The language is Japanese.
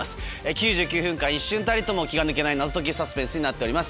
９９分間一瞬たりとも気が抜けない謎解きサスペンスになっております。